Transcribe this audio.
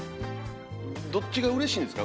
どっちがうれしいですか？